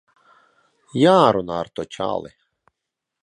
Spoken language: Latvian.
Jārunā ar to čali.